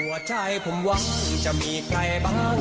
หัวใจผมหวังจะมีใครบ้าง